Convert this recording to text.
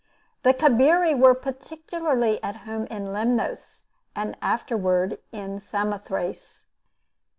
The Cabiri were particularly at home in Lemnos, and afterward in Samothrace.